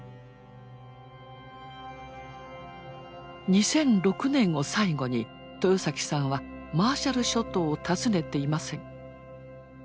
２００６年を最後に豊さんはマーシャル諸島を訪ねていません。